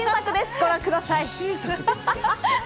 ご覧ください。